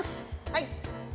はい。